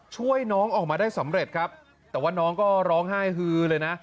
ช่วยน้องออกมาได้สำเร็จครับแต่ว่าน้องก็ร้องไห้ฮือเลยนะ